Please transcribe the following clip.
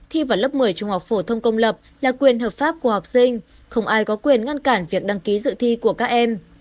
thi vào lớp một mươi trung học phổ thông công lập là quyền hợp pháp của học sinh không ai có quyền ngăn cản việc đăng ký dự thi của các em